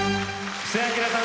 布施明さん